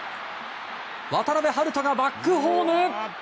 渡部遼人がバックホーム！